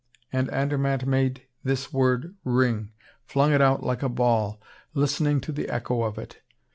And Andermatt made this word ring, flung it out like a ball, listening to the echo of it.